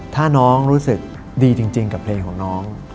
ถ้าน้องรู้สึกดีจริงกับเพลงของน้อง